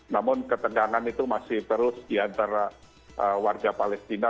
namun ketegangan itu masih terus di antara warga palestina